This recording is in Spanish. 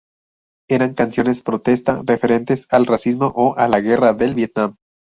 Eran canciones protesta referentes al racismo o a la Guerra del Vietnam.